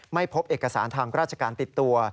ไม่พบเอกสารทางราชการติดตัว